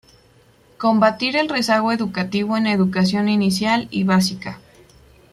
Combatir el rezago educativo en educación inicial y básica.